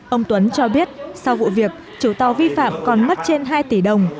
ông tuấn cho biết sau vụ việc chủ tàu vi phạm còn mất trên hai tỷ đồng